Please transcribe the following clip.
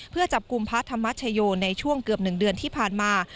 เพื่อจับกลุ่มพระธรรมชโยในช่วงเกือบ๑เดือนที่ผ่านมา